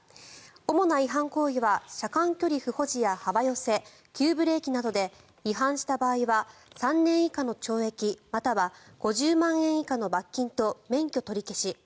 主な違反行為は車間距離不保持や幅寄せ急ブレーキなどで違反した場合は、３年以下の懲役または５０万円以下の罰金と免許取り消し。